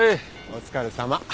お疲れさま。